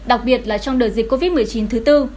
đặc biệt là trong đợt dịch covid một mươi chín thứ tư